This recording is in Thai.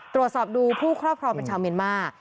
ตรวจสอบดูผู้ครอบครองเป็นชาวเมียนมาร์